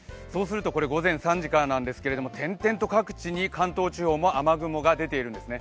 午前３時からなんですけど、点々と各地に関東地方も雨雲が出ているんですね。